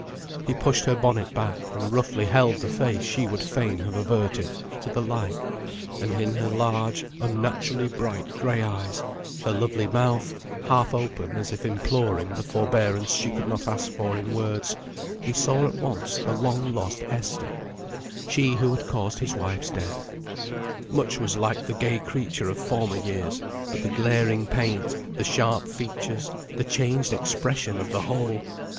He pushed her bonnet back, and roughly held the face she would fain have averted, to the light, and in her large, unnaturally bright gray eyes, her lovely mouth, half open, as if imploring the forbearance she could not ask for in words, he saw at once the long lost Esther; she who had caused his wife's death. Much was like the gay creature of former years; but the glaring paint, the sharp features, the changed expression of the whole!